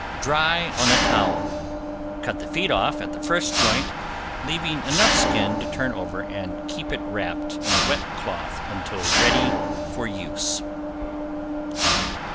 Dry on a towel, cut the feet off at the first joint leaving enough skin to turn over and keep it wrapped in a wet cloth until ready for use.